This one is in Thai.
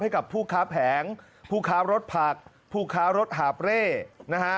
ให้กับผู้ค้าแผงผู้ค้ารถผักผู้ค้ารถหาบเร่นะฮะ